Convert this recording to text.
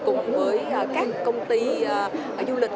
cùng với các công ty du lịch